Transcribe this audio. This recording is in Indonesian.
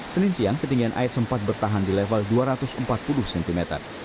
senin siang ketinggian air sempat bertahan di level dua ratus empat puluh cm